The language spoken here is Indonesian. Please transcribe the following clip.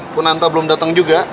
kun anta belum dateng juga